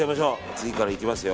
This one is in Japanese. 次からいきますよ